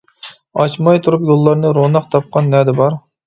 ئاچماي تۇرۇپ يوللارنى روناق تاپقان نەدە بار.